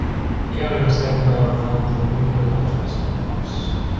É a universidade con maior orzamento do mundo e unha das máis selectivas.